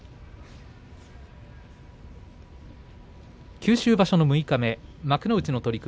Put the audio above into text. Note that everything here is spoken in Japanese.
九州場所の六日目幕内の取組